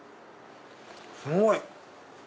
すごい！